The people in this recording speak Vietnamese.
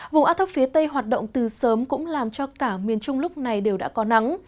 vùng áp thấp phía tây hoạt động từ sớm cũng làm cho cả miền trung lúc này đều đã có nắng